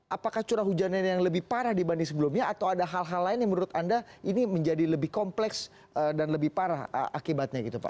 apakah curah hujannya yang lebih parah dibanding sebelumnya atau ada hal hal lain yang menurut anda ini menjadi lebih kompleks dan lebih parah akibatnya gitu pak